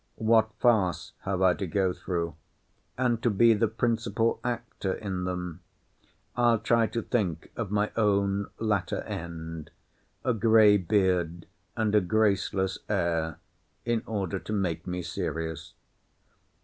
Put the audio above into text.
What farces have I to go through; and to be the principal actor in them! I'll try to think of my own latter end; a gray beard, and a graceless heir; in order to make me serious.